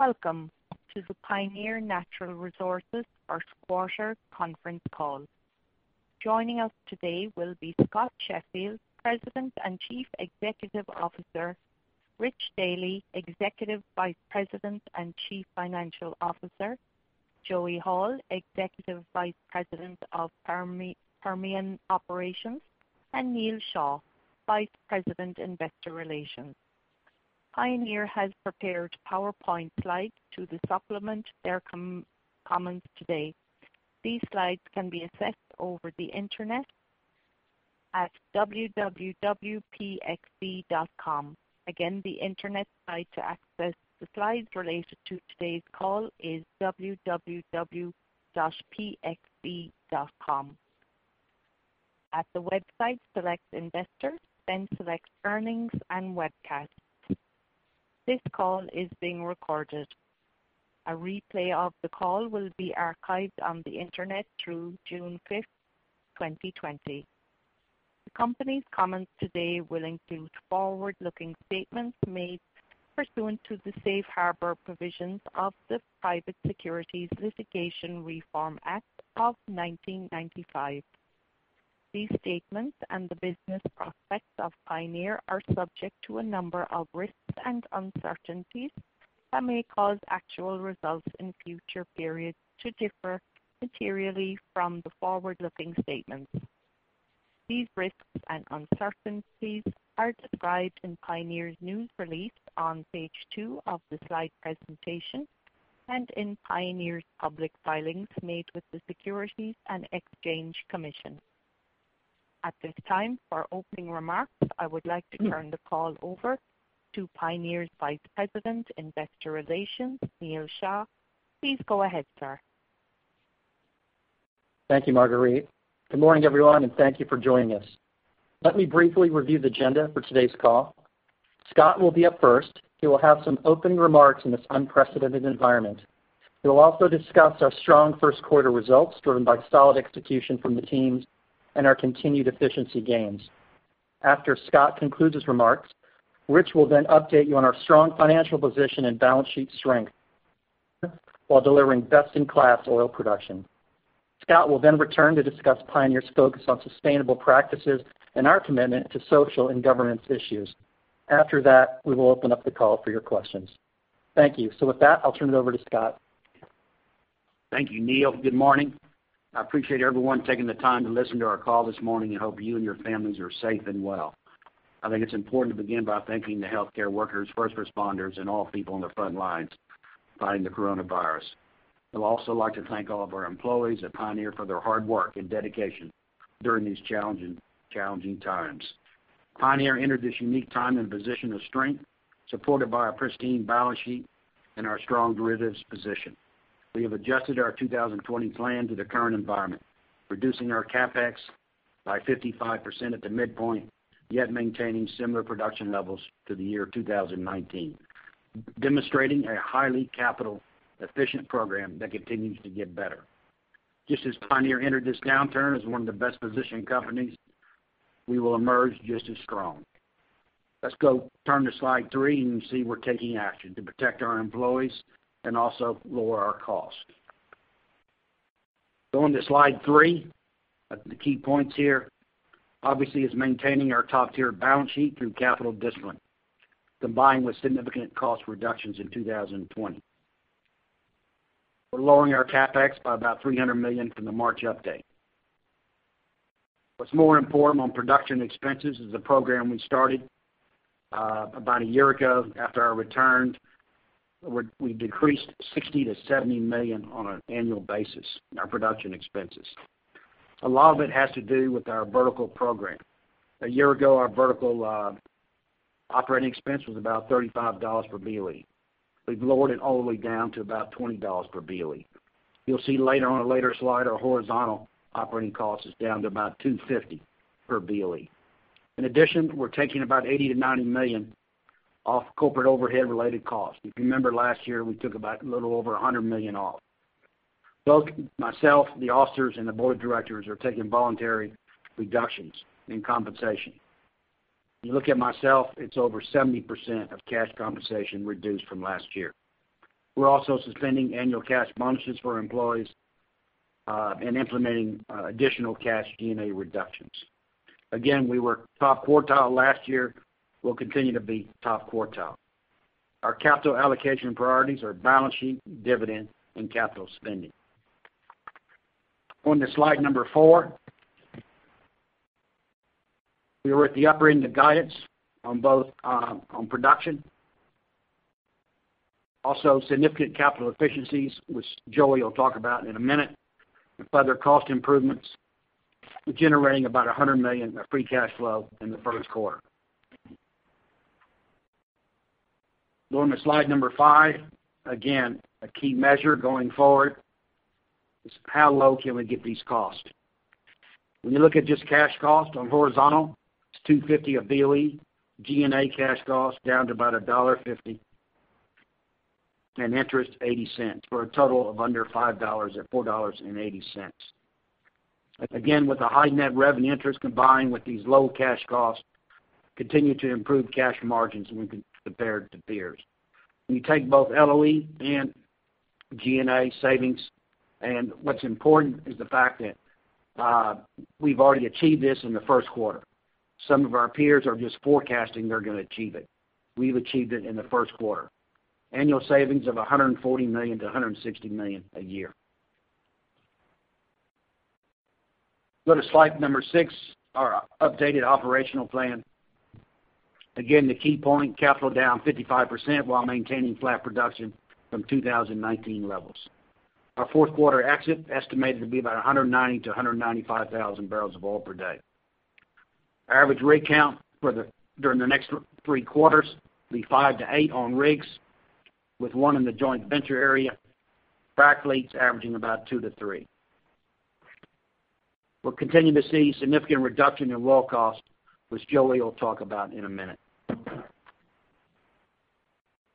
Welcome to the Pioneer Natural Resources first quarter conference call. Joining us today will be Scott Sheffield, President and Chief Executive Officer, Rich Dealy, Executive Vice President and Chief Financial Officer, Joey Hall, Executive Vice President of Permian Operations, and Neal Shah, Vice President Investor Relations. Pioneer has prepared PowerPoint slides to supplement their comments today. These slides can be accessed over the internet at www.pxd.com. Again, the internet site to access the slides related to today's call is www.pxd.com. At the website, select Investor, then select Earnings and Webcasts. This call is being recorded. A replay of the call will be archived on the internet through June 5th, 2020. The company's comments today will include forward-looking statements made pursuant to the safe harbor provisions of the Private Securities Litigation Reform Act of 1995. These statements and the business prospects of Pioneer are subject to a number of risks and uncertainties that may cause actual results in future periods to differ materially from the forward-looking statements. These risks and uncertainties are described in Pioneer's news release on page two of the slide presentation and in Pioneer's public filings made with the Securities and Exchange Commission. At this time, for opening remarks, I would like to turn the call over to Pioneer's Vice President, Investor Relations, Neal Shah. Please go ahead, sir. Thank you, Marguerite. Good morning, everyone, and thank you for joining us. Let me briefly review the agenda for today's call. Scott will be up first. He will have some opening remarks in this unprecedented environment. He'll also discuss our strong first quarter results driven by solid execution from the teams and our continued efficiency gains. After Scott concludes his remarks, Rich will then update you on our strong financial position and balance sheet strength while delivering best-in-class oil production. Scott will then return to discuss Pioneer's focus on sustainable practices and our commitment to social and governance issues. After that, we will open up the call for your questions. Thank you. With that, I'll turn it over to Scott. Thank you, Neal. Good morning. I appreciate everyone taking the time to listen to our call this morning and hope you and your families are safe and well. I think it's important to begin by thanking the healthcare workers, first responders, and all people on the front lines fighting the coronavirus. I'd also like to thank all of our employees at Pioneer for their hard work and dedication during these challenging times. Pioneer entered this unique time in a position of strength, supported by a pristine balance sheet and our strong derivatives position. We have adjusted our 2020 plan to the current environment, reducing our CapEx by 55% at the midpoint, yet maintaining similar production levels to the year 2019, demonstrating a highly capital-efficient program that continues to get better. Just as Pioneer entered this downturn as one of the best-positioned companies, we will emerge just as strong. Let's go turn to slide three and see we're taking action to protect our employees and also lower our costs. Going to slide three. The key points here, obviously, is maintaining our top-tier balance sheet through capital discipline, combined with significant cost reductions in 2020. We're lowering our CapEx by about $300 million from the March update. What's more important on production expenses is the program we started about a year ago after our return. We decreased $60 million-$70 million on an annual basis in our production expenses. A lot of it has to do with our vertical program. A year ago, our vertical operating expense was about $35 per barrel of oil equivalent. We've lowered it all the way down to about $20 per barrel of oil equivalent. You'll see later on a later slide, our horizontal operating cost is down to about $250 per barrel of oil equivalent. We're taking about $80 million-$90 million off corporate overhead related costs. If you remember last year, we took about a little over $100 million off. Both myself, the officers, and the board of directors are taking voluntary reductions in compensation. You look at myself, it's over 70% of cash compensation reduced from last year. We're also suspending annual cash bonuses for employees and implementing additional cash G&A reductions. Again, we were top quartile last year. We'll continue to be top quartile. Our capital allocation priorities are balance sheet, dividend, and capital spending. On to slide number four. We were at the upper end of guidance on production. Significant capital efficiencies, which Joey will talk about in a minute, with further cost improvements, generating about $100 million of free cash flow in the first quarter. Going to slide number five. Again, a key measure going forward is how low can we get these costs? When you look at just cash cost on horizontal, it's $250 a barrel of oil equivalent, G&A cash cost down to about $1.50, and interest $0.80, for a total of under $5 at $4.80. Again, with a high net revenue interest combined with these low cash costs, continue to improve cash margins when compared to peers. When you take both lease operating expense and G&A savings, and what's important is the fact that we've already achieved this in the first quarter. Some of our peers are just forecasting they're going to achieve it. We've achieved it in the first quarter. Annual savings of $140 million-$160 million a year. Go to slide number six, our updated operational plan. Again, the key point, capital down 55% while maintaining flat production from 2019 levels. Our fourth quarter exit estimated to be about 190,000 barrels-195,000 barrels of oil per day. Average rig count during the next three quarters will be five to eight rigs, with one in the joint venture area. Frac fleets averaging about two to three. We'll continue to see significant reduction in well cost, which Joey will talk about in a minute.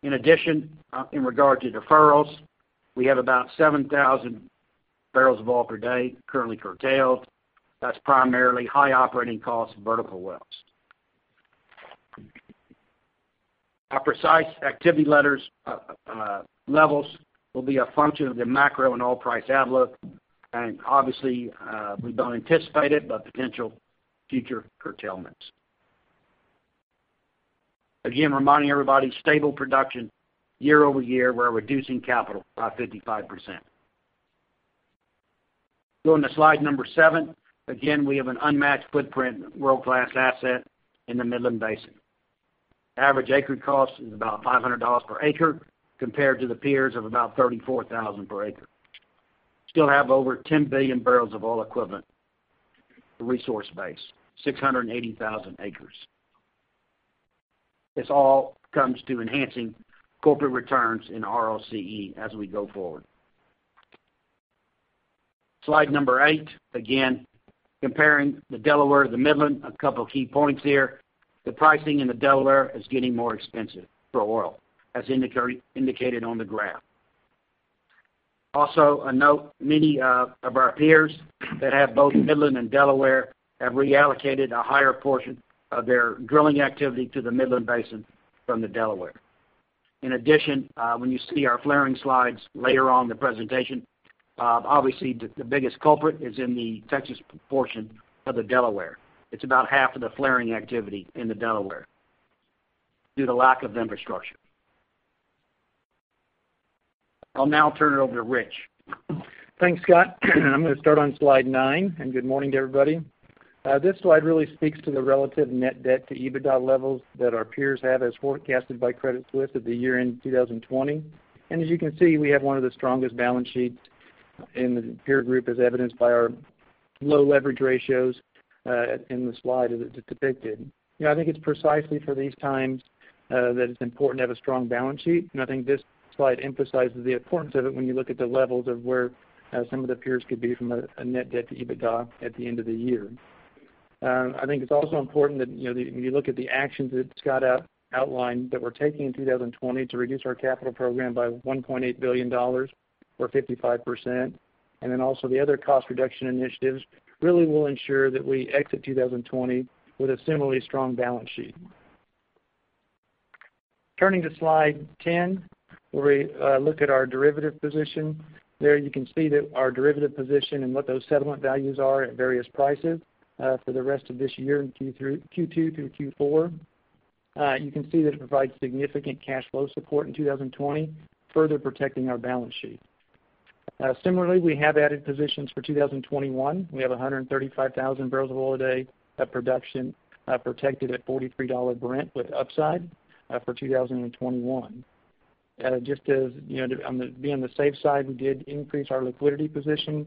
In addition, in regard to deferrals, we have about 7,000 barrels of oil per day currently curtailed. That's primarily high operating cost vertical wells. Our precise activity levels will be a function of the macro and oil price outlook, and obviously, we don't anticipate it, but potential future curtailments. Again, reminding everybody, stable production year-over-year, we're reducing capital by 55%. Go on to slide number seven. Again, we have an unmatched footprint, world-class asset in the Midland Basin. Average acreage cost is about $500 per acre compared to the peers of about $34,000 per acre. Still have over 10 billion barrels of oil equivalent resource base, 680,000 acres. This all comes to enhancing corporate returns and ROCE as we go forward. Slide number eight, again, comparing the Delaware to the Midland, a couple of key points here. The pricing in the Delaware is getting more expensive for oil, as indicated on the graph. Also, a note, many of our peers that have both Midland and Delaware have reallocated a higher portion of their drilling activity to the Midland Basin from the Delaware. In addition, when you see our flaring slides later on in the presentation, obviously, the biggest culprit is in the Texas portion of the Delaware. It's about half of the flaring activity in the Delaware due to lack of infrastructure. I'll now turn it over to Rich. Thanks, Scott. I'm going to start on slide nine. Good morning to everybody. This slide really speaks to the relative net debt to EBITDA levels that our peers have as forecasted by Credit Suisse at the year-end 2020. As you can see, we have one of the strongest balance sheets in the peer group as evidenced by our low leverage ratios, in the slide as it's depicted. I think it's precisely for these times that it's important to have a strong balance sheet. I think this slide emphasizes the importance of it when you look at the levels of where some of the peers could be from a net debt to EBITDA at the end of the year. I think it's also important that when you look at the actions that Scott outlined that we're taking in 2020 to reduce our capital program by $1.8 billion or 55%, and then also the other cost reduction initiatives really will ensure that we exit 2020 with a similarly strong balance sheet. Turning to slide 10, where we look at our derivative position. There you can see that our derivative position and what those settlement values are at various prices for the rest of this year in Q2 through Q4. You can see that it provides significant cash flow support in 2020, further protecting our balance sheet. Similarly, we have added positions for 2021. We have 135,000 barrels of oil a day of production protected at $43 Brent with upside for 2021. Just to be on the safe side, we did increase our liquidity position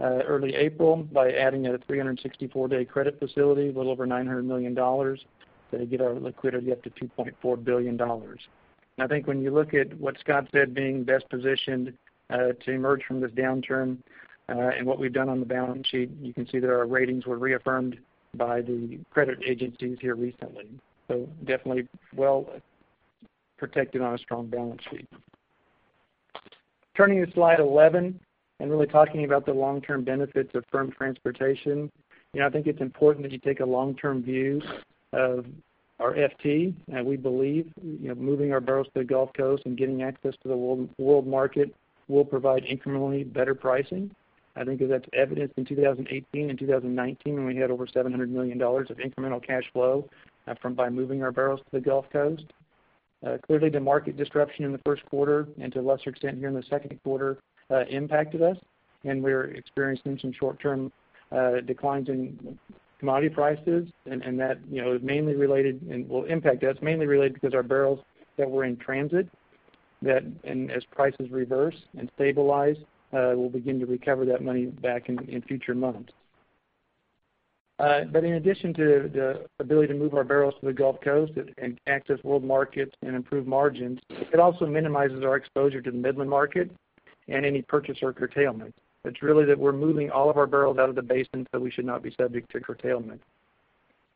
early April by adding a 364-day credit facility, a little over $900 million to get our liquidity up to $2.4 billion. I think when you look at what Scott said, being best positioned to emerge from this downturn and what we've done on the balance sheet, you can see that our ratings were reaffirmed by the credit agencies here recently. Definitely well-protected on a strong balance sheet. Turning to slide 11, really talking about the long-term benefits of firm transportation. I think it's important that you take a long-term view of our FT. We believe moving our barrels to the Gulf Coast and getting access to the world market will provide incrementally better pricing. I think that's evidenced in 2018 and 2019 when we had over $700 million of incremental cash flow by moving our barrels to the Gulf Coast. Clearly, the market disruption in the first quarter and to a lesser extent here in the second quarter impacted us, and we're experiencing some short-term declines in commodity prices. That will impact us mainly related because our barrels that were in transit, that as prices reverse and stabilize, we'll begin to recover that money back in future months. In addition to the ability to move our barrels to the Gulf Coast and access world markets and improve margins, it also minimizes our exposure to the Midland market and any purchaser curtailment. It's really that we're moving all of our barrels out of the basin so we should not be subject to curtailment.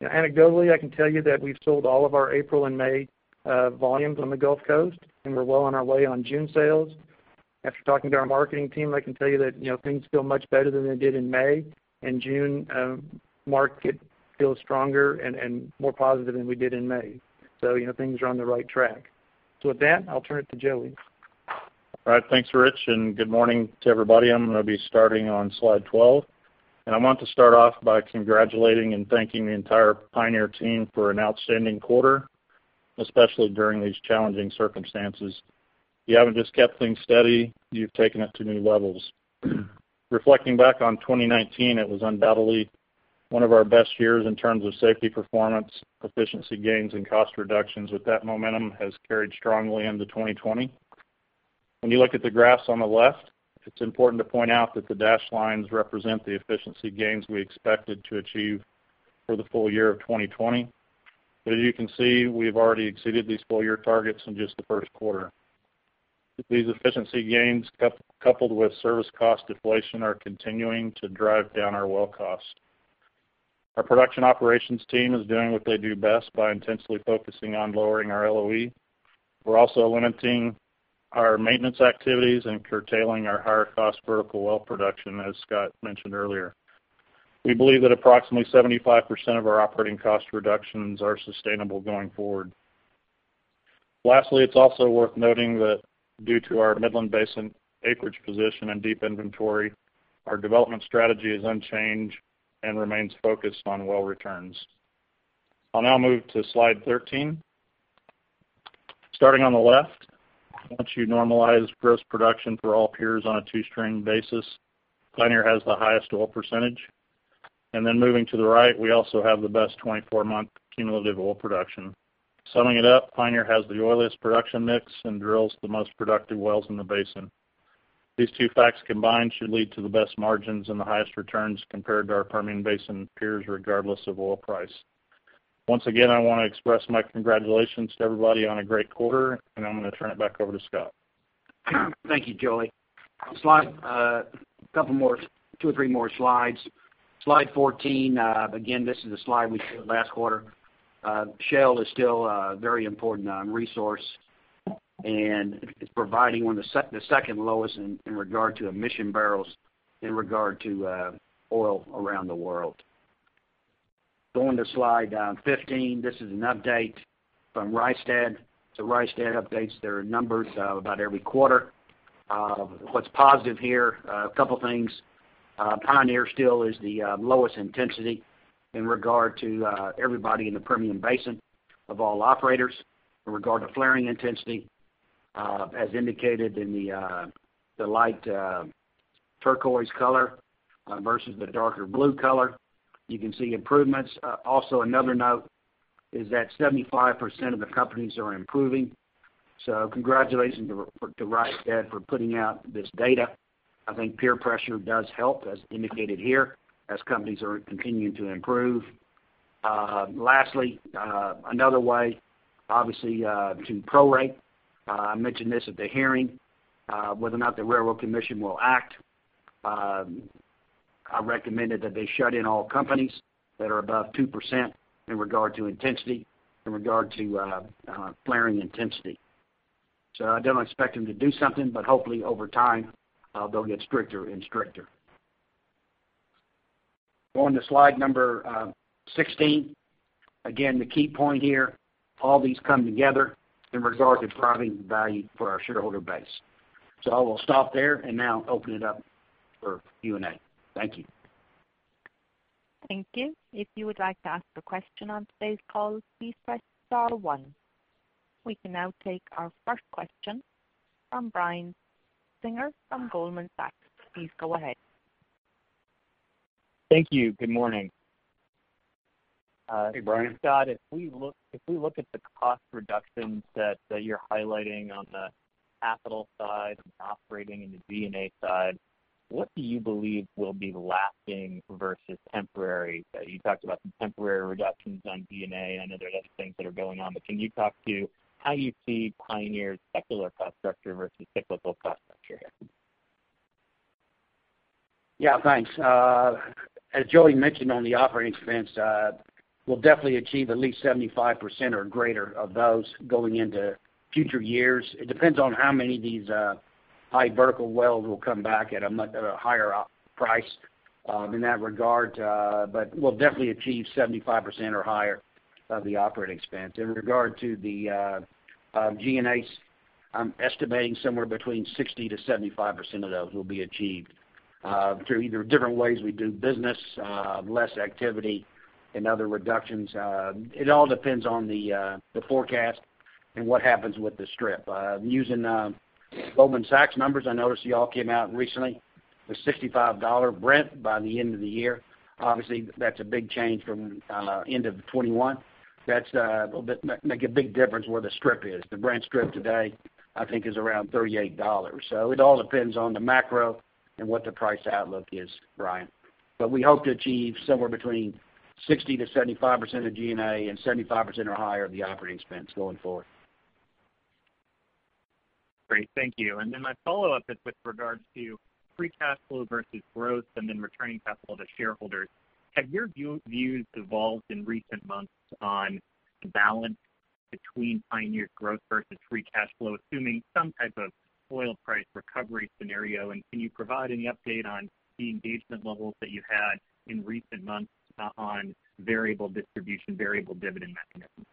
Anecdotally, I can tell you that we've sold all of our April and May volumes on the Gulf Coast, and we're well on our way on June sales. After talking to our marketing team, I can tell you that things feel much better than they did in May, and June market feels stronger and more positive than we did in May. Things are on the right track. With that, I'll turn it to Joey. All right. Thanks, Rich, good morning to everybody. I'm going to be starting on slide 12. I want to start off by congratulating and thanking the entire Pioneer team for an outstanding quarter, especially during these challenging circumstances. You haven't just kept things steady, you've taken it to new levels. Reflecting back on 2019, it was undoubtedly one of our best years in terms of safety performance, efficiency gains, and cost reductions, with that momentum has carried strongly into 2020. When you look at the graphs on the left, it's important to point out that the dashed lines represent the efficiency gains we expected to achieve for the full year of 2020. As you can see, we've already exceeded these full-year targets in just the first quarter. These efficiency gains, coupled with service cost deflation, are continuing to drive down our well cost. Our production operations team is doing what they do best by intensely focusing on lowering our lease operating expense. We're also limiting our maintenance activities and curtailing our higher-cost vertical well production, as Scott mentioned earlier. We believe that approximately 75% of our operating cost reductions are sustainable going forward. Lastly, it's also worth noting that due to our Midland Basin acreage position and deep inventory, our development strategy is unchanged and remains focused on well returns. I'll now move to slide 13. Starting on the left, once you normalize gross production for all peers on a two-string basis, Pioneer has the highest oil percentage. Moving to the right, we also have the best 24-month cumulative oil production. Summing it up, Pioneer has the oiliest production mix and drills the most productive wells in the basin. These two facts combined should lead to the best margins and the highest returns compared to our Permian Basin peers, regardless of oil price. Once again, I want to express my congratulations to everybody on a great quarter. I'm going to turn it back over to Scott. Thank you, Joey. Two or three more slides. Slide 14, again, this is a slide we showed last quarter. Shale is still a very important resource, and it's providing the second lowest in regard to emission barrels in regard to oil around the world. Going to slide 15. This is an update from Rystad Energy. Rystad Energy updates their numbers about every quarter. What's positive here, a couple things. Pioneer still is the lowest intensity in regard to everybody in the Permian Basin of all operators in regard to flaring intensity, as indicated in the light turquoise color versus the darker blue color. You can see improvements. Also, another note is that 75% of the companies are improving. Congratulations to Rystad Energy for putting out this data. I think peer pressure does help, as indicated here, as companies are continuing to improve. Lastly, another way, obviously, to prorate. I mentioned this at the hearing, whether or not the Railroad Commission will act. I recommended that they shut in all companies that are above 2% in regard to flaring intensity. I don't expect them to do something, but hopefully over time, they'll get stricter and stricter. Going to slide number 16. Again, the key point here, all these come together in regard to driving value for our shareholder base. I will stop there and now open it up for Q&A. Thank you. Thank you. If you would like to ask a question on today's call, please press star one. We can now take our first question from Brian Singer from Goldman Sachs. Please go ahead. Thank you. Good morning. Hey, Brian. Scott, if we look at the cost reductions that you're highlighting on the capital side and operating in the G&A side, what do you believe will be lasting versus temporary? You talked about some temporary reductions on G&A. I know there's other things that are going on, but can you talk to how you see Pioneer's secular cost structure versus cyclical cost structure here? Yeah, thanks. As Joey mentioned on the operating expense, we'll definitely achieve at least 75% or greater of those going into future years. It depends on how many of these high vertical wells will come back at a much higher price in that regard. We'll definitely achieve 75% or higher of the operating expense. In regard to the G&As, I'm estimating somewhere between 60%-75% of those will be achieved through either different ways we do business, less activity and other reductions. It all depends on the forecast and what happens with the strip. Using Goldman Sachs numbers, I noticed you all came out recently with $65 Brent by the end of the year. Obviously, that's a big change from end of 2021. That's make a big difference where the strip is. The Brent strip today, I think is around $38. It all depends on the macro and what the price outlook is, Brian. We hope to achieve somewhere between 60%-75% of G&A and 75% or higher of the operating expense going forward. Great. Thank you. My follow-up is with regards to free cash flow versus growth and then returning cash flow to shareholders. Have your views evolved in recent months on the balance between Pioneer growth versus free cash flow, assuming some type of oil price recovery scenario? Can you provide any update on the engagement levels that you had in recent months on variable distribution, variable dividend mechanisms?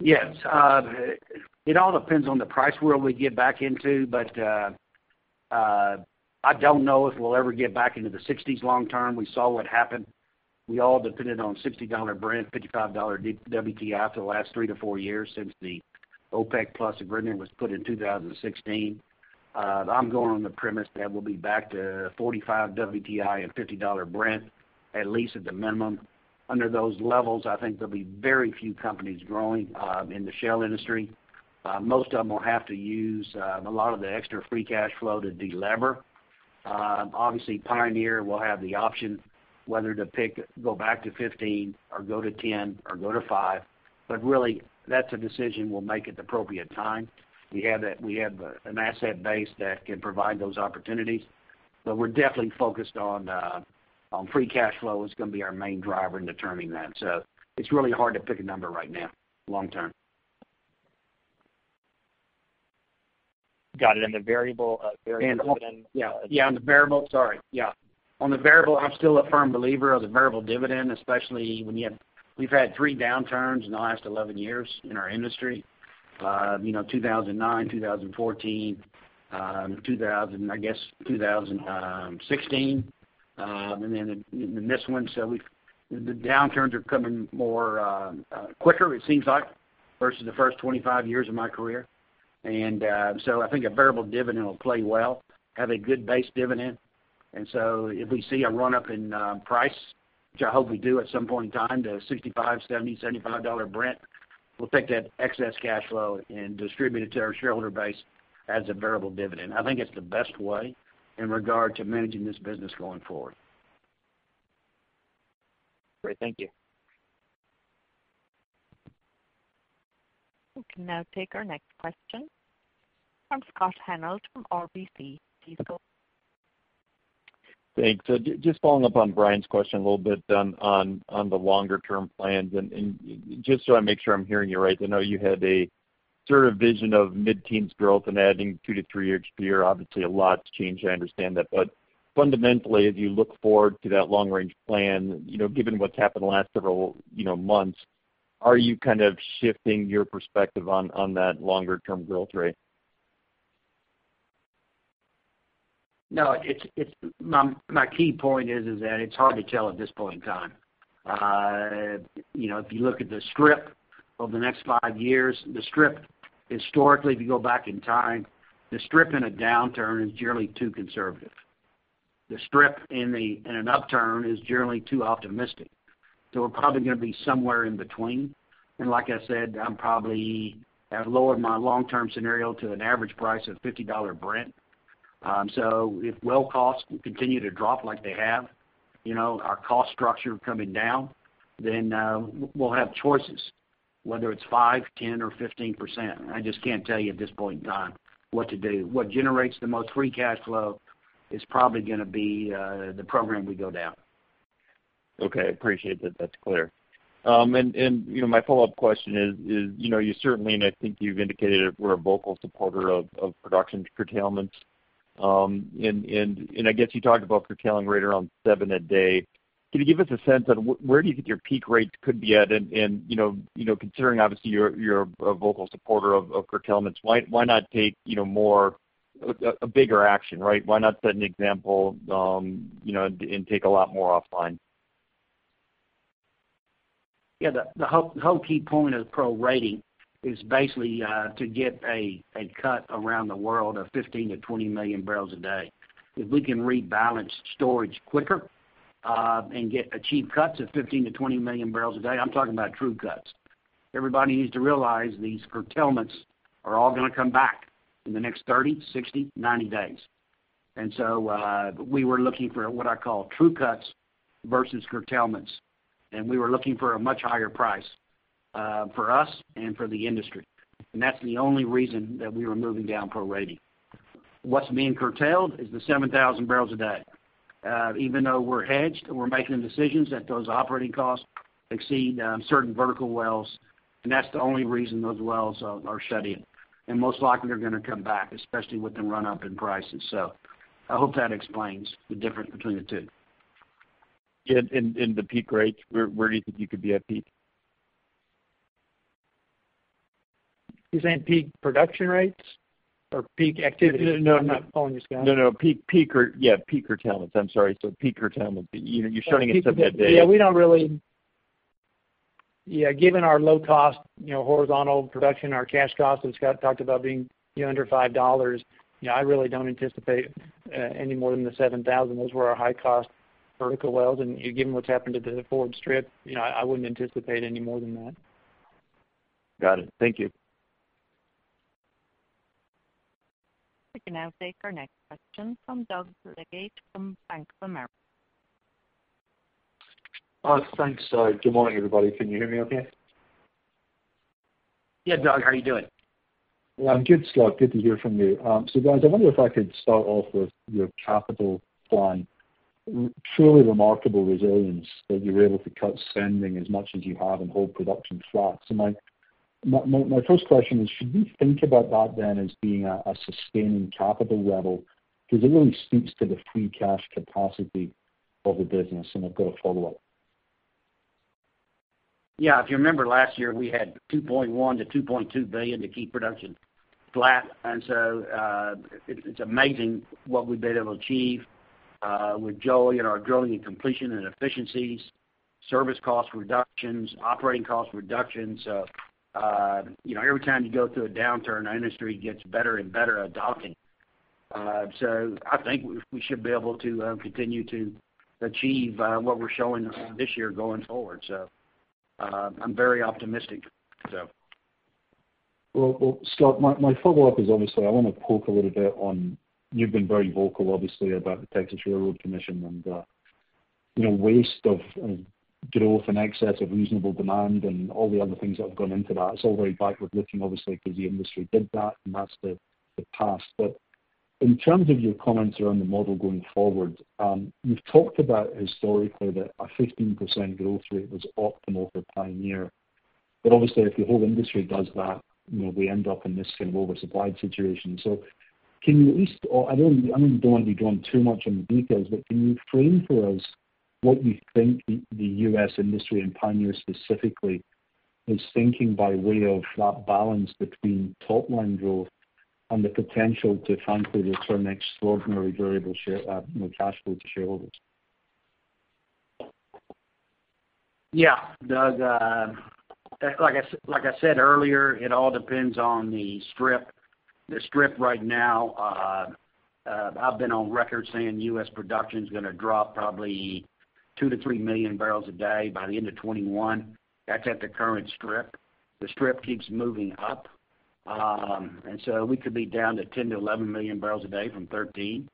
Yes. It all depends on the price world we get back into. I don't know if we'll ever get back into the 60s long term. We saw what happened. We all depended on $60 Brent, $55 WTI for the last three to four years since the OPEC+ agreement was put in 2016. I'm going on the premise that we'll be back to $45 WTI and $50 Brent, at least at the minimum. Under those levels, I think there'll be very few companies growing in the shale industry. Most of them will have to use a lot of the extra free cash flow to delever. Obviously, Pioneer will have the option whether to go back to $15 or go to $10 or go to five, really, that's a decision we'll make at the appropriate time. We have an asset base that can provide those opportunities, but we're definitely focused on free cash flow is going to be our main driver in determining that. It's really hard to pick a number right now, long term. Got it. The variable dividend Yeah. On the variable, I'm still a firm believer of the variable dividend, especially when we've had three downturns in the last 11 years in our industry. 2009, 2014, I guess 2016, and then this one. The downturns are coming quicker, it seems like, versus the first 25 years of my career. I think a variable dividend will play well, have a good base dividend. If we see a run-up in price, which I hope we do at some point in time to $65, $70, $75 Brent, we'll take that excess cash flow and distribute it to our shareholder base as a variable dividend. I think it's the best way in regard to managing this business going forward. Great. Thank you. We can now take our next question from Scott Hanold from RBC Capital Markets. Please go ahead. Thanks. Following up on Brian's question a little bit on the longer term plans, just so I make sure I'm hearing you right. I know you had a sort of vision of mid-teens growth and adding two to three each year. Obviously, a lot's changed, I understand that. Fundamentally, as you look forward to that long-range plan, given what's happened the last several months, are you kind of shifting your perspective on that longer-term growth rate? No, my key point is that it's hard to tell at this point in time. If you look at the strip over the next five years, the strip historically, if you go back in time, the strip in a downturn is generally too conservative. The strip in an upturn is generally too optimistic. We're probably going to be somewhere in between. Like I said, I've lowered my long-term scenario to an average price of $50 Brent. If well costs continue to drop like they have, our cost structure coming down, then we'll have choices, whether it's 5%, 10%, or 15%. I just can't tell you at this point in time what to do. What generates the most free cash flow is probably going to be the program we go down. Okay. I appreciate that that's clear. My follow-up question is, you certainly, and I think you've indicated it, were a vocal supporter of production curtailments. I guess you talked about curtailing right around seven a day. Can you give us a sense on where do you think your peak rates could be at? Considering obviously you're a vocal supporter of curtailments, why not take a bigger action, right? Why not set an example, and take a lot more offline? The whole key point of prorating is basically to get a cut around the world of 15 million-20 million barrels a day. If we can rebalance storage quicker, and achieve cuts of 15 million-20 million barrels a day. I'm talking about true cuts. Everybody needs to realize these curtailments are all going to come back in the next 30 days, 60 days, 90 days. We were looking for what I call true cuts versus curtailments, and we were looking for a much higher price, for us and for the industry. That's the only reason that we were moving down prorating. What's being curtailed is the 7,000 barrels a day. Even though we're hedged and we're making decisions that those operating costs exceed certain vertical wells, and that's the only reason those wells are shut in. Most likely they're going to come back, especially with the run-up in prices. I hope that explains the difference between the two. Yeah. The peak rates, where do you think you could be at peak? You're saying peak production rates or peak activity? No. I'm not following you, Scott. No. Peak curtailments. I'm sorry. Peak curtailment. You're shutting in 7,000 barrels a day. Yeah. Given our low-cost horizontal production, our cash costs, as Scott talked about, being under $5, I really don't anticipate any more than the 7,000 barrels a day. Those were our high-cost vertical wells. Given what's happened to the forward strip, I wouldn't anticipate any more than that. Got it. Thank you. We can now take our next question from Doug Leggate from Bank of America. I think so. Good morning, everybody. Can you hear me okay? Yeah, Doug, how are you doing? I'm good, Scott. Good to hear from you. Guys, I wonder if I could start off with your capital plan. Truly remarkable resilience that you were able to cut spending as much as you have and hold production flat. My first question is, should we think about that then as being a sustaining capital level? Because it really speaks to the free cash capacity of the business. I've got a follow-up. If you remember last year, we had $2.1 billion-$2.2 billion to keep production flat. It's amazing what we've been able to achieve with Joey and our drilling and completion and efficiencies, service cost reductions, operating cost reductions. Every time you go through a downturn, our industry gets better and better at costing. I think we should be able to continue to achieve what we're showing this year going forward. I'm very optimistic. Scott, my follow-up is obviously I want to poke a little bit on, you've been very vocal, obviously, about the Texas Railroad Commission and waste of growth and excess of reasonable demand and all the other things that have gone into that. It's all very backward-looking, obviously, because the industry did that, and that's the past. In terms of your comments around the model going forward, you've talked about historically that a 15% growth rate was optimal for Pioneer Natural Resources Company, but obviously, if the whole industry does that, we end up in this kind of oversupplied situation. I don't want you to go on too much on the details, but can you frame for us what you think the U.S. industry and Pioneer Natural Resources Company specifically is thinking by way of that balance between top-line growth and the potential to frankly return extraordinary variable cash flow to shareholders? Yeah. Doug, like I said earlier, it all depends on the strip. The strip right now, I've been on record saying U.S. production's going to drop probably 2 million-3 million barrels a day by the end of 2021. That's at the current strip. The strip keeps moving up. We could be down to 10 million-11 million barrels a day from 13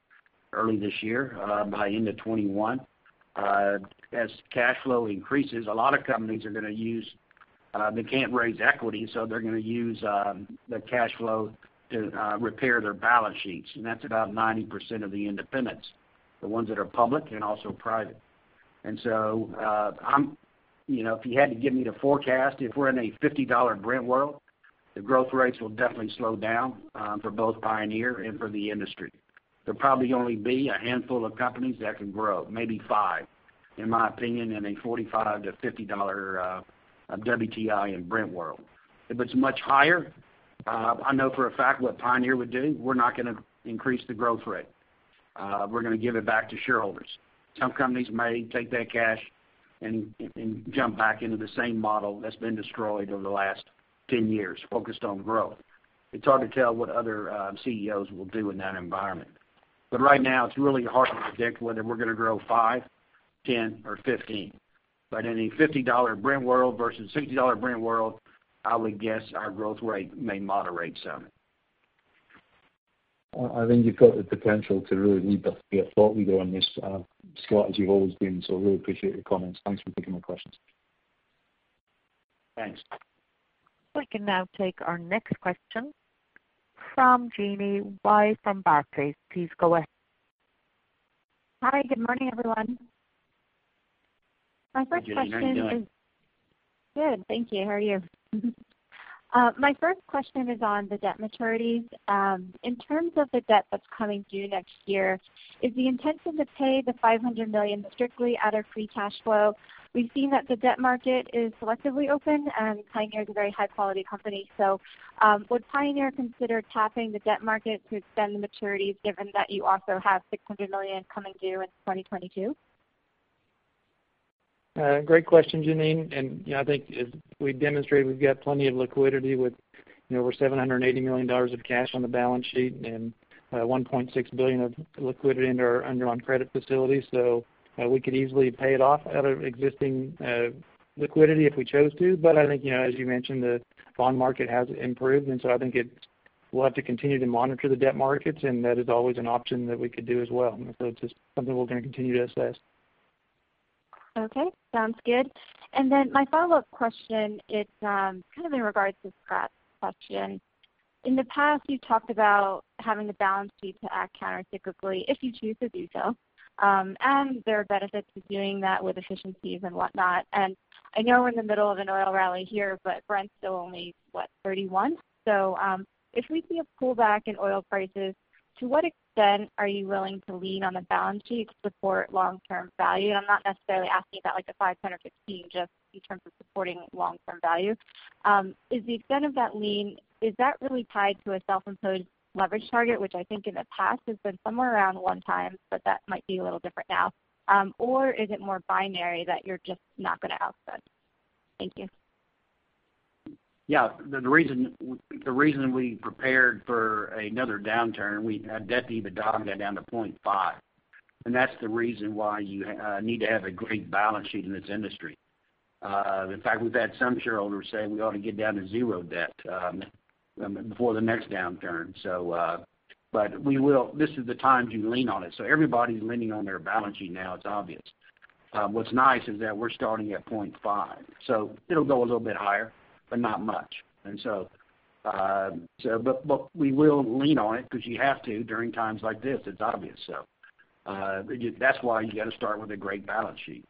early this year, by end of 2021. As cash flow increases, a lot of companies, they can't raise equity, so they're going to use the cash flow to repair their balance sheets. That's about 90% of the independents, the ones that are public and also private. If you had to give me the forecast, if we're in a $50 Brent world, the growth rates will definitely slow down, for both Pioneer and for the industry. There'll probably only be a handful of companies that can grow, maybe five, in my opinion, in a $45-$50 WTI and Brent world. If it's much higher, I know for a fact what Pioneer would do. We're not going to increase the growth rate. We're going to give it back to shareholders. Some companies may take that cash and jump back into the same model that's been destroyed over the last 10 years, focused on growth. It's hard to tell what other Chief Executive Officers will do in that environment. Right now, it's really hard to predict whether we're going to grow $5, $10, or $15. In a $50 Brent world versus $60 Brent world, I would guess our growth rate may moderate some. I think you've got the potential to really be a thought leader on this, Scott, as you've always been. Really appreciate your comments. Thanks for taking my questions. Thanks. We can now take our next question from Jeanine Wai from Barclays. Please go ahead. Hi, good morning, everyone. Hi, Jeanine. How are you doing? Good, thank you. How are you? My first question is on the debt maturities. In terms of the debt that's coming due next year, is the intention to pay the $500 million strictly out of free cash flow? We've seen that the debt market is selectively open, and Pioneer is a very high-quality company. Would Pioneer consider tapping the debt market to extend the maturities given that you also have $600 million coming due in 2022? Great question, Jeanine. I think as we demonstrated, we've got plenty of liquidity with over $780 million of cash on the balance sheet and $1.6 billion of liquidity under our credit facility. We could easily pay it off out of existing liquidity if we chose to. I think, as you mentioned, the bond market has improved. I think we'll have to continue to monitor the debt markets, and that is always an option that we could do as well. It's just something we're going to continue to assess. Okay. Sounds good. Then my follow-up question, it's kind of in regards to Scott's question. In the past, you talked about having the balance sheet to act countercyclically if you choose to do so. There are benefits of doing that with efficiencies and whatnot. I know we're in the middle of an oil rally here, but Brent's still only, what, $31? If we see a pullback in oil prices, to what extent are you willing to lean on the balance sheet to support long-term value? I'm not necessarily asking about the $5, $15, just in terms of supporting long-term value. Is the extent of that lean, is that really tied to a self-imposed leverage target, which I think in the past has been somewhere around one time, that might be a little different now? Is it more binary that you're just not going to outset? Thank you. Yeah. The reason we prepared for another downturn, we had debt to even dock that down to 0.5x. That's the reason why you need to have a great balance sheet in this industry. In fact, we've had some shareholders say we ought to get down to zero debt before the next downturn. This is the time to lean on it. Everybody's leaning on their balance sheet now. It's obvious. What's nice is that we're starting at 0.5x, so it'll go a little bit higher, but not much. We will lean on it because you have to during times like this. It's obvious. That's why you got to start with a great balance sheet.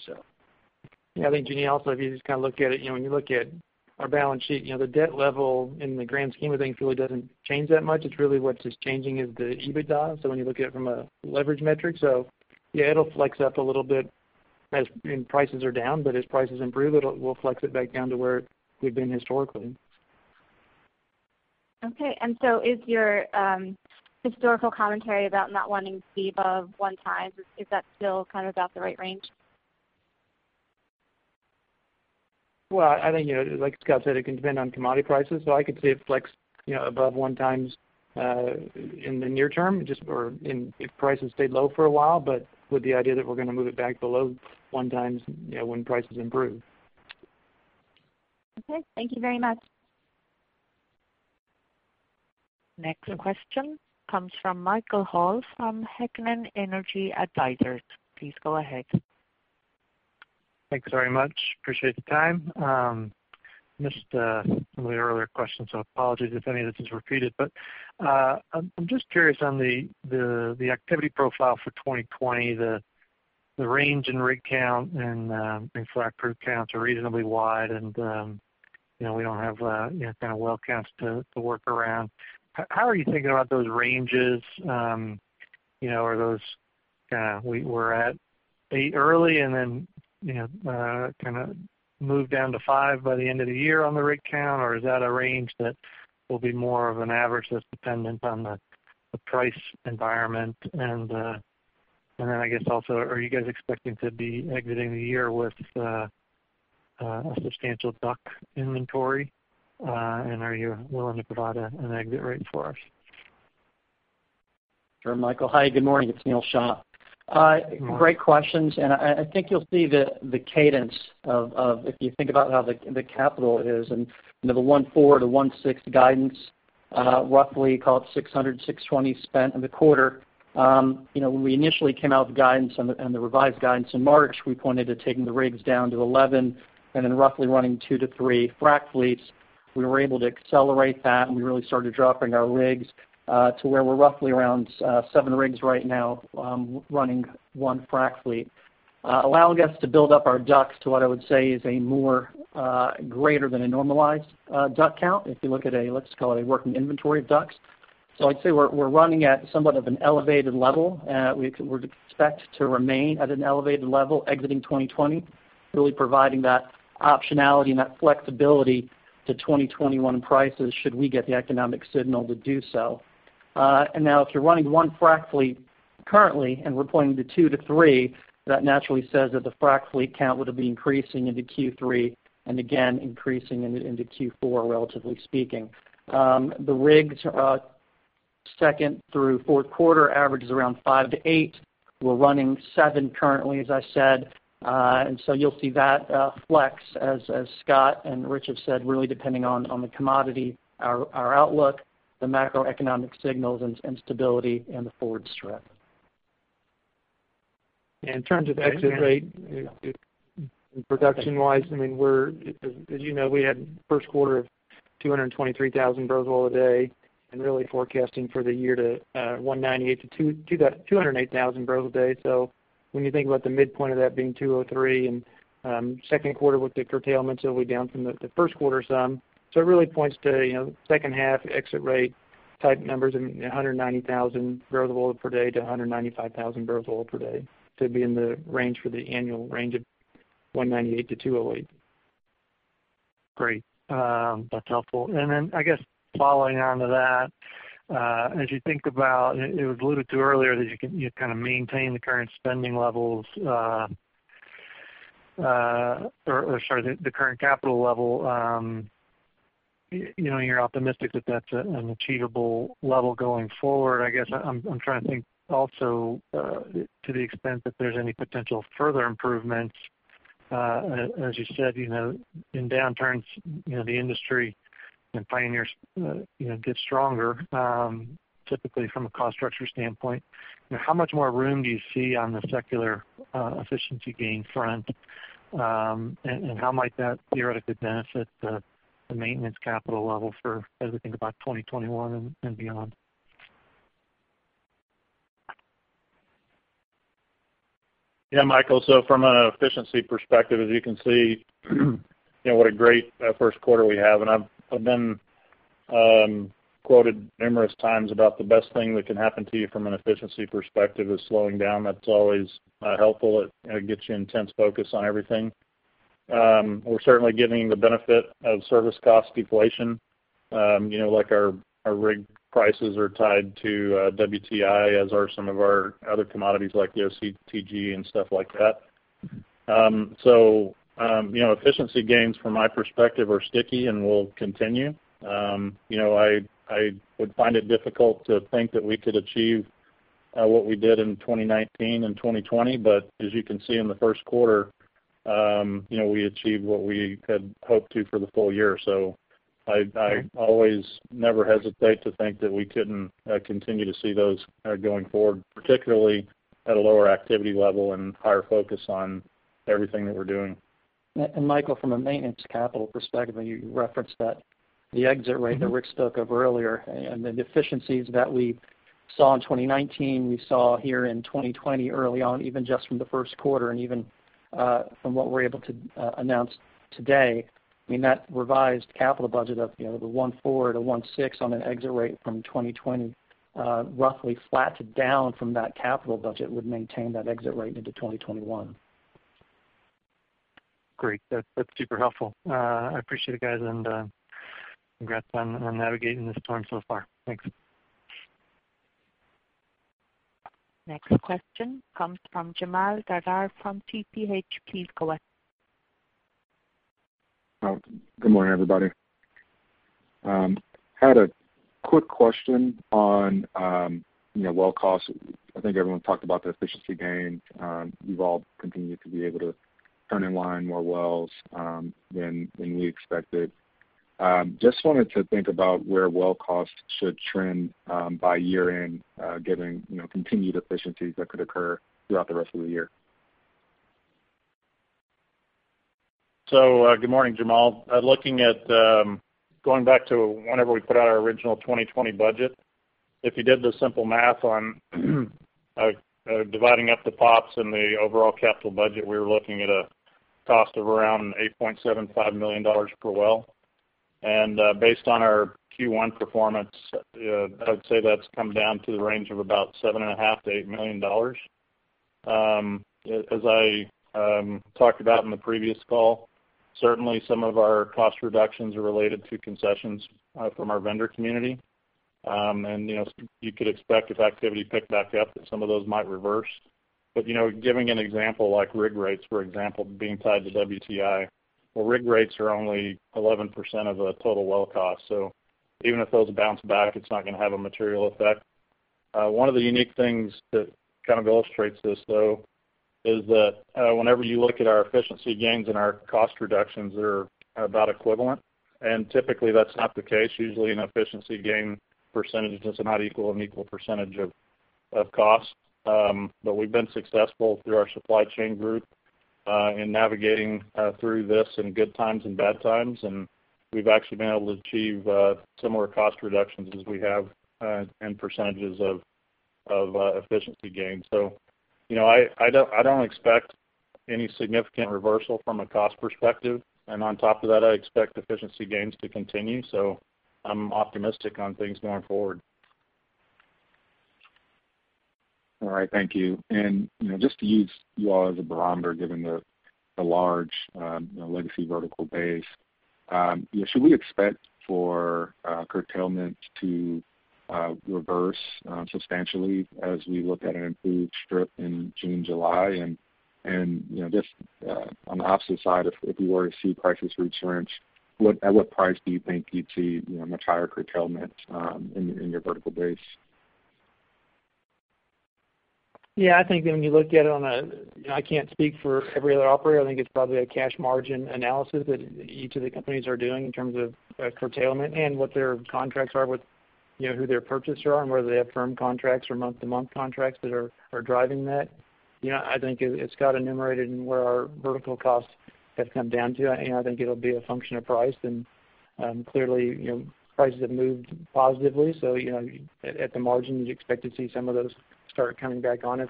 Yeah. I think, Jeanine, also, if you just look at it, when you look at our balance sheet, the debt level in the grand scheme of things really doesn't change that much. It's really what's just changing is the EBITDA. When you look at it from a leverage metric, yeah, it'll flex up a little bit as prices are down, but as prices improve, it will flex it back down to where we've been historically. Okay. Is your historical commentary about not wanting to be above 1x, is that still kind of about the right range? Well, I think, like Scott said, it can depend on commodity prices. I could see it flex above 1x in the near term, or if prices stay low for a while, but with the idea that we're going to move it back below 1x when prices improve. Okay. Thank you very much. Next question comes from Michael Hall from Heikkinen Energy Advisors. Please go ahead. Thanks very much. Appreciate the time. Missed the earlier questions, apologies if any of this is repeated. I'm just curious on the activity profile for 2020, the range in rig count and frac crew counts are reasonably wide and we don't have well counts to work around. How are you thinking about those ranges? We're at eight early, move down to five by the end of the year on the rig count, is that a range that will be more of an average that's dependent on the price environment? I guess also, are you guys expecting to be exiting the year with a substantial DUC inventory? Are you willing to provide an exit rate for us? Sure, Michael. Hi, good morning. It's Neal Shah. Great questions. I think you'll see the cadence of, if you think about how the capital is and the $1.4 billion-$1.6 billion guidance roughly, call it $600 million-$620 million spent in the quarter. When we initially came out with the guidance and the revised guidance in March, we pointed to taking the rigs down to 11 and then roughly running two to three frac fleets. We were able to accelerate that, and we really started dropping our rigs to where we're roughly around seven rigs right now running one frac fleet. Allowing us to build up our DUCs to what I would say is a more greater than a normalized DUC count, if you look at a, let's call it a working inventory of DUCs. I'd say we're running at somewhat of an elevated level. We'd expect to remain at an elevated level exiting 2020, really providing that optionality and that flexibility to 2021 prices should we get the economic signal to do so. If you're running one frac fleet currently and we're pointing to two to three, that naturally says that the frac fleet count would have been increasing into Q3 and again increasing into Q4, relatively speaking. The rigs second through fourth quarter average is around five to eight. We're running seven currently, as I said. You'll see that flex as Scott and Rich have said, really depending on the commodity, our outlook, the macroeconomic signals and stability and the forward strip. In terms of exit rate, production wise, as you know, we had first quarter of 223,000 barrels of oil a day and really forecasting for the year to 198,000 barrels-208,000 barrels a day. When you think about the midpoint of that being 203,000 barrels a day and second quarter with the curtailments, it'll be down from the first quarter some. It really points to second half exit rate type numbers in 190,000 barrels-195,000 barrels of oil per day to be in the range for the annual range of 198,000 barrels-208,000 barrels a day. Great. That's helpful. I guess following on to that, as you think about, it was alluded to earlier that you maintain the current spending levels, or sorry, the current capital level. You're optimistic that that's an achievable level going forward. I guess I'm trying to think also to the extent that there's any potential further improvements. As you said, in downturns, the industry and Pioneers get stronger, typically from a cost structure standpoint. How much more room do you see on the secular efficiency gain front? How might that theoretically benefit the maintenance capital level as we think about 2021 and beyond? Yeah, Michael. From an efficiency perspective, as you can see what a great first quarter we have. I've been quoted numerous times about the best thing that can happen to you from an efficiency perspective is slowing down. That's always helpful. It gets you intense focus on everything. We're certainly getting the benefit of service cost deflation. Like our rig prices are tied to WTI as are some of our other commodities like the OCTG and stuff like that. Efficiency gains from my perspective are sticky and will continue. I would find it difficult to think that we could achieve what we did in 2019 and 2020. As you can see in the first quarter, we achieved what we had hoped to for the full year. I always never hesitate to think that we couldn't continue to see those going forward, particularly at a lower activity level and higher focus on everything that we're doing. Michael, from a maintenance capital perspective, you referenced that the exit rate that Rich spoke of earlier and the efficiencies that we saw in 2019, we saw here in 2020 early on, even just from the first quarter and even from what we're able to announce today, I mean that revised capital budget of the $1.4-$1.6 on an exit rate from 2020, roughly flat to down from that capital budget would maintain that exit rate into 2021. Great. That's super helpful. I appreciate it, guys, and congrats on navigating this storm so far. Thanks. Next question comes from Jamaal Dardar from Tudor, Pickering, Holt & Co. Please go ahead. Good morning, everybody. Had a quick question on well costs. I think everyone talked about the efficiency gains. You've all continued to be able to turn in line more wells than we expected. Just wanted to think about where well costs should trend by year-end, given continued efficiencies that could occur throughout the rest of the year. Good morning, Jamaal. Looking at going back to whenever we put out our original 2020 budget, if you did the simple math on dividing up the POPs and the overall capital budget, we were looking at a cost of around $8.75 million per well. Based on our Q1 performance, I'd say that's come down to the range of about $7.5 million-$8 million. As I talked about in the previous call, certainly some of our cost reductions are related to concessions from our vendor community. You could expect if activity picked back up, that some of those might reverse. Giving an example like rig rates, for example, being tied to WTI, well rig rates are only 11% of the total well cost, so even if those bounce back, it's not going to have a material effect. One of the unique things that kind of illustrates this, though, is that whenever you look at our efficiency gains and our cost reductions are about equivalent. Typically that's not the case. Usually an efficiency gain percentage does not equal an equal percentage of cost. We've been successful through our supply chain group in navigating through this in good times and bad times, and we've actually been able to achieve similar cost reductions as we have in percentages of efficiency gains. I don't expect any significant reversal from a cost perspective. On top of that, I expect efficiency gains to continue. I'm optimistic on things going forward. All right. Thank you. Just to use you all as a barometer, given the large legacy vertical base, should we expect for curtailment to reverse substantially as we look at an improved strip in June, July? Just on the opposite side, if we were to see prices re-surge, at what price do you think you'd see much higher curtailment in your vertical base? Yeah, I think when you look at it, I can't speak for every other operator, I think it's probably a cash margin analysis that each of the companies are doing in terms of curtailment and what their contracts are, who their purchaser are, and whether they have firm contracts or month-to-month contracts that are driving that. I think it's got enumerated in where our vertical costs have come down to, and I think it'll be a function of price. Clearly, prices have moved positively. At the margins, you'd expect to see some of those start coming back on if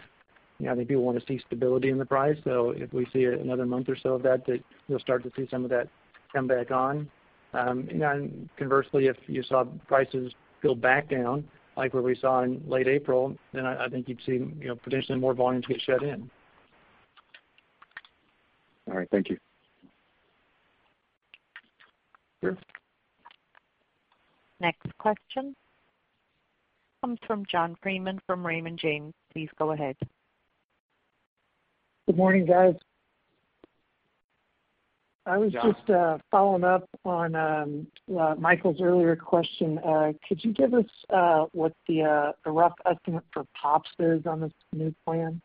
people want to see stability in the price. If we see another month or so of that you'll start to see some of that come back on. Conversely, if you saw prices go back down, like what we saw in late April, then I think you'd see potentially more volumes get shut in. All right. Thank you. Sure. Next question comes from John Freeman from Raymond James. Please go ahead. Good morning, guys. John. I was just following up on Michael's earlier question. Could you give us what the rough estimate for POPs is on this new plan?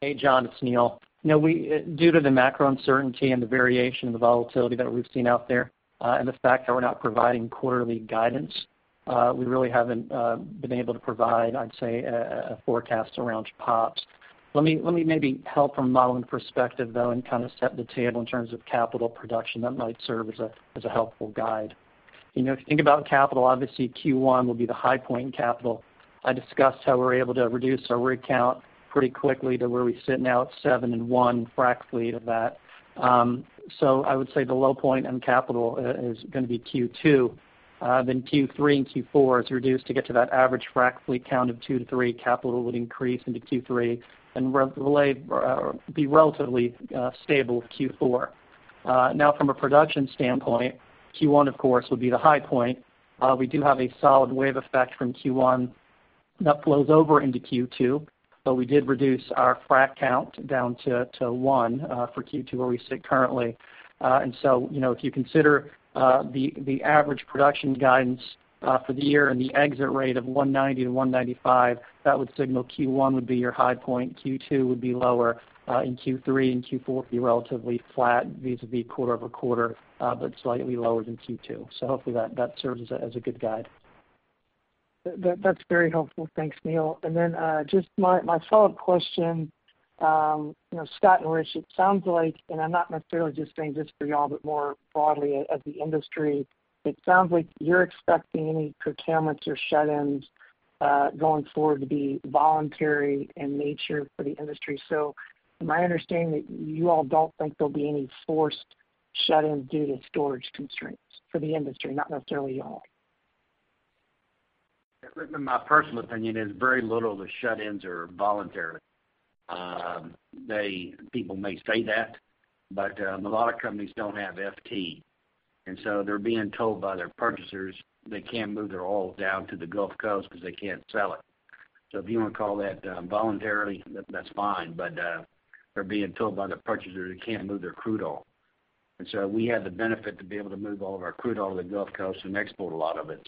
Hey, John, it's Neal. Due to the macro uncertainty and the variation and the volatility that we've seen out there, and the fact that we're not providing quarterly guidance, we really haven't been able to provide, I'd say, a forecast around POPs. Let me maybe help from my own perspective, though, and kind of set the table in terms of capital production. That might serve as a helpful guide. If you think about capital, obviously Q1 will be the high point in capital. I discussed how we're able to reduce our rig count pretty quickly to where we sit now at seven and one frac fleet of that. I would say the low point in capital is going to be Q2. Q3 and Q4 is reduced to get to that average frac fleet count of two to three. Capital would increase into Q3 and be relatively stable with Q4. From a production standpoint, Q1, of course, would be the high point. We do have a solid wave effect from Q1 That flows over into Q2, but we did reduce our frac count down to one for Q2, where we sit currently. If you consider the average production guidance for the year and the exit rate of 190,000 barrels-195,000 barrels a day, that would signal Q1 would be your high point, Q2 would be lower, and Q3 and Q4 would be relatively flat, vis-a-vis quarter-over-quarter, but slightly lower than Q2. Hopefully that serves as a good guide. That's very helpful. Thanks, Neal. Then just my follow-up question. Scott and Rich, it sounds like, and I'm not necessarily just saying this for you all, but more broadly at the industry, it sounds like you're expecting any curtailments or shut-ins going forward to be voluntary in nature for the industry. Am I understanding that you all don't think there'll be any forced shut-ins due to storage constraints for the industry, not necessarily you all? In my personal opinion, very little of the shut-ins are voluntary. People may say that, but a lot of companies don't have FT, and so they're being told by their purchasers they can't move their oil down to the Gulf Coast because they can't sell it. If you want to call that voluntary, that's fine, but they're being told by their purchasers they can't move their crude oil. We have the benefit to be able to move all of our crude oil to the Gulf Coast and export a lot of it.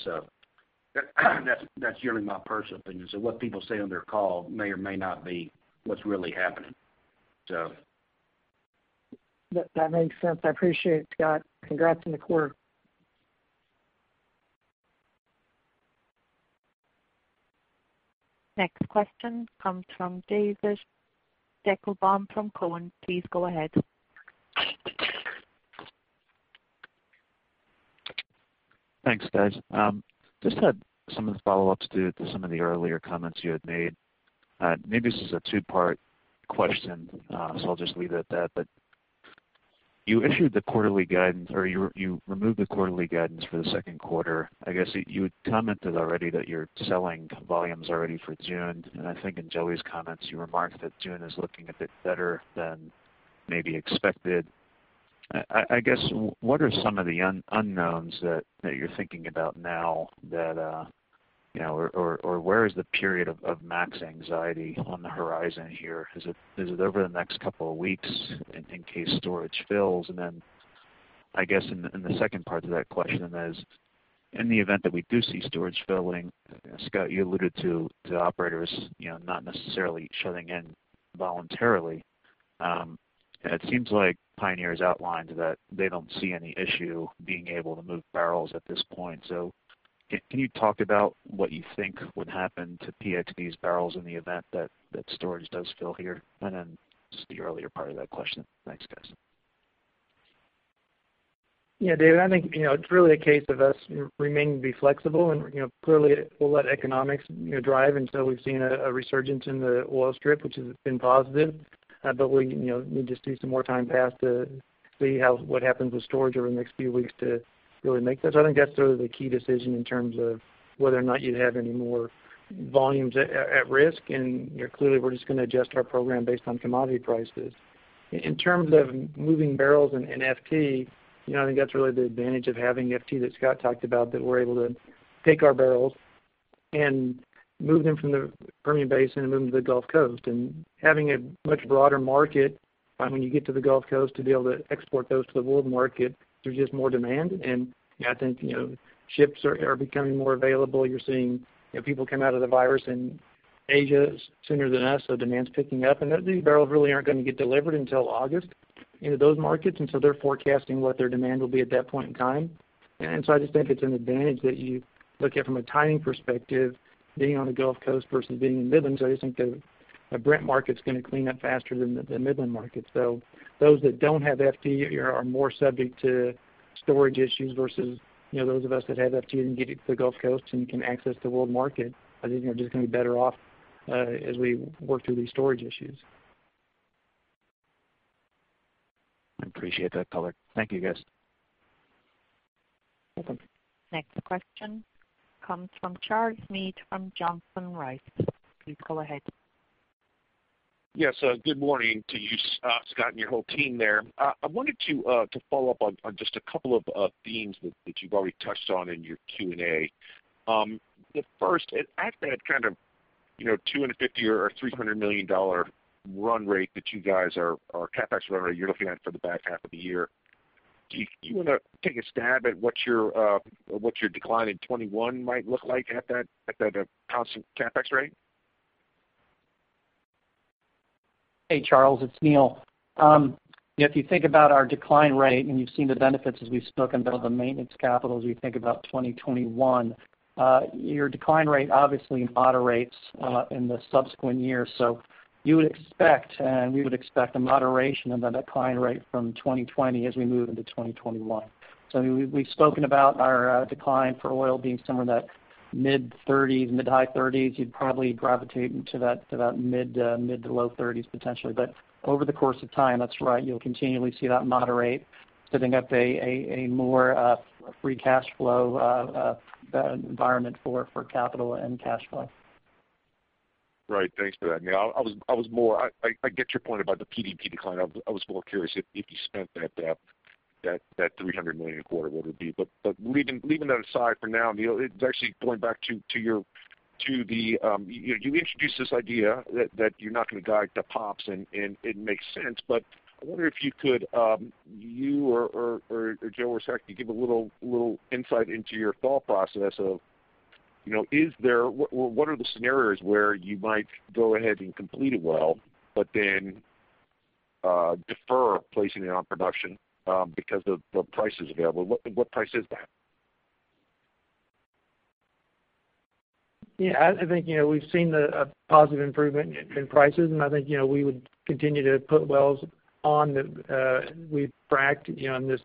That's generally my personal opinion. What people say on their call may or may not be what's really happening. That makes sense. I appreciate it, Scott. Congrats on the quarter. Next question comes from David Deckelbaum from Cowen. Please go ahead. Thanks, guys. Just had some of the follow-ups due to some of the earlier comments you had made. Maybe this is a two-part question. I'll just leave it at that. You issued the quarterly guidance, or you removed the quarterly guidance for the second quarter. I guess you had commented already that you're selling volumes already for June. I think in Joey's comments, you remarked that June is looking a bit better than maybe expected. I guess, what are some of the unknowns that you're thinking about, or where is the period of max anxiety on the horizon here? Is it over the next couple of weeks in case storage fills? I guess in the second part to that question is, in the event that we do see storage filling, Scott, you alluded to the operators not necessarily shutting in voluntarily. It seems like Pioneer's outlined that they don't see any issue being able to move barrels at this point. Can you talk about what you think would happen to PXD's barrels in the event that storage does fill here? Just the earlier part of that question. Thanks, guys. Yeah, David, I think it's really a case of us remaining to be flexible and clearly we'll let economics drive. We've seen a resurgence in the oil strip, which has been positive. We need to see some more time pass to see what happens with storage over the next few weeks to really make that. I think that's sort of the key decision in terms of whether or not you'd have any more volumes at risk. Clearly, we're just going to adjust our program based on commodity prices. In terms of moving barrels and FT, I think that's really the advantage of having FT that Scott talked about, that we're able to take our barrels and move them from the Permian Basin and move them to the Gulf Coast. Having a much broader market when you get to the Gulf Coast to be able to export those to the world market, there's just more demand. I think ships are becoming more available. You're seeing people come out of the virus in Asia sooner than us, so demand's picking up. These barrels really aren't going to get delivered until August into those markets, they're forecasting what their demand will be at that point in time. I just think it's an advantage that you look at from a timing perspective, being on the Gulf Coast versus being in Midland. I just think the Brent market's going to clean up faster than the Midland market. Those that don't have FT are more subject to storage issues versus those of us that have FT and can get it to the Gulf Coast and can access the world market. I think we're just going to be better off as we work through these storage issues. I appreciate that color. Thank you, guys. Next question comes from Charles Meade from Johnson Rice. Please go ahead. Yes. Good morning to you, Scott, and your whole team there. I wanted to follow up on just a couple of themes that you've already touched on in your Q&A. The first, at that kind of $250 million or $300 million run rate, or CapEx run rate you're looking at for the back half of the year, do you want to take a stab at what your decline in 2021 might look like at that constant CapEx rate? Hey, Charles, it's Neal. If you think about our decline rate, you've seen the benefits as we've spoken about the maintenance capital, as we think about 2021, your decline rate obviously moderates in the subsequent years. You would expect, we would expect, a moderation of that decline rate from 2020 as we move into 2021. We've spoken about our decline for oil being somewhere in that mid-30s, mid-high 30s. You'd probably gravitate into that mid-to-low 30s potentially. Over the course of time, that's right, you'll continually see that moderate, setting up a more free cash flow environment for capital and cash flow. Right. Thanks for that, Neal. I get your point about the PDP decline. I was more curious if you spent that $300 million a quarter, what it would be. Leaving that aside for now, Neal, it's actually going back to you. You introduced this idea that you're not going to drive the pumps, and it makes sense. I wonder if you could, you or Joey or Scott, give a little insight into your thought process of what are the scenarios where you might go ahead and complete a well, but then defer placing it on production because of the prices available. What price is that? Yeah, I think we've seen a positive improvement in prices, and I think we would continue to put wells on. We fracked in this,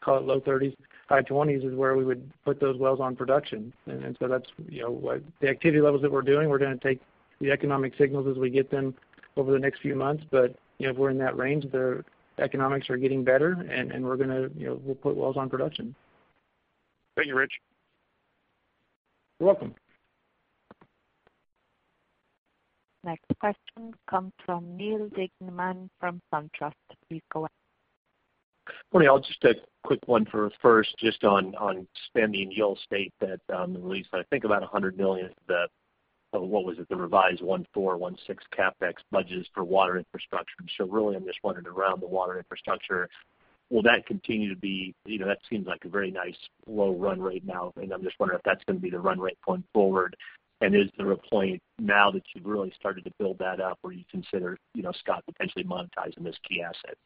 call it low $30s, high $20s is where we would put those wells on production. That's the activity levels that we're doing. We're going to take the economic signals as we get them over the next few months. If we're in that range, the economics are getting better, and we'll put wells on production. Thank you, Rich. You're welcome. Next question comes from Neal Dingmann from SunTrust. Please go ahead. Morning all, just a quick one for first, just on spend. Neal state that the release, I think about $100 million of the, what was it, the revised $1.4, $1.6 CapEx budgets for water infrastructure. Really, I'm just wondering around the water infrastructure, will that continue to be? That seems like a very nice low run rate now, I'm just wondering if that's going to be the run rate going forward. Is there a point now that you've really started to build that up where you consider, Scott, potentially monetizing this key asset?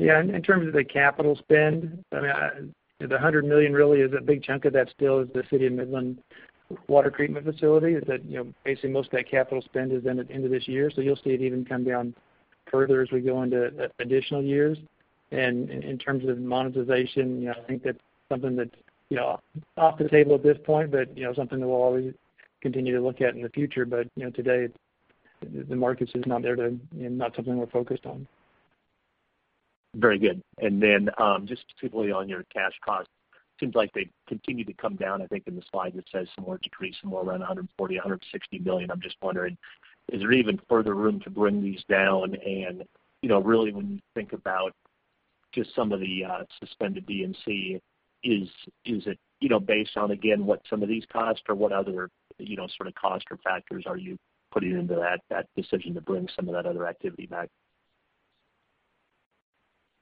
In terms of the capital spend, the $100 million really is, a big chunk of that still is the City of Midland Water Treatment Facility. Most of that capital spend is in at the end of this year. You'll see it even come down further as we go into additional years. In terms of monetization, I think that's something that's off the table at this point, but something that we'll always continue to look at in the future. Today, the market is not there, not something we're focused on. Very good. Just specifically on your cash costs, seems like they continue to come down. I think in the slide that says some more decrease, some more around $140 million-$160 million. I'm just wondering, is there even further room to bring these down? Really when you think about just some of the suspended D&C, is it based on, again, what some of these costs or what other sort of cost or factors are you putting into that decision to bring some of that other activity back?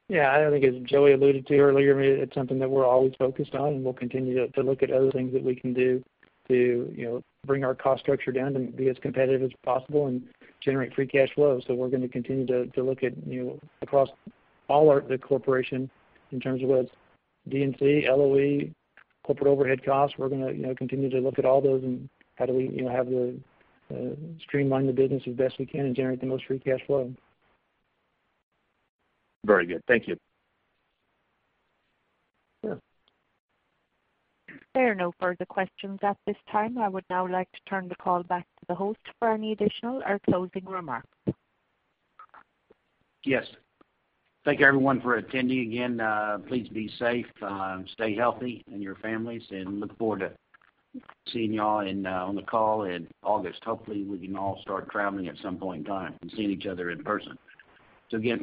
Yeah, I think as Joey alluded to earlier, it's something that we're always focused on, and we'll continue to look at other things that we can do to bring our cost structure down to be as competitive as possible and generate free cash flow. We're going to continue to look at across all the corporation in terms of whether it's D&C, LOE, corporate overhead costs. We're going to continue to look at all those and how do we streamline the business as best we can and generate the most free cash flow. Very good. Thank you. Sure. There are no further questions at this time. I would now like to turn the call back to the host for any additional or closing remarks. Yes. Thank you everyone for attending. Again, please be safe, stay healthy and your families, and look forward to seeing you all on the call in August. Hopefully we can all start traveling at some point in time and seeing each other in person. Again,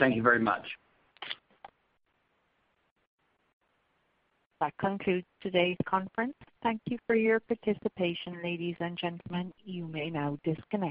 thank you very much. That concludes today's conference. Thank you for your participation, ladies and gentlemen. You may now disconnect.